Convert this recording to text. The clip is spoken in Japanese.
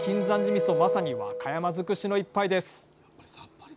みそまさに和歌山づくしの一杯です！